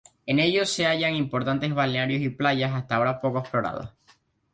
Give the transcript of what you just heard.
En ellos se hallan importantes balnearios y playas, hasta ahora poco explotados.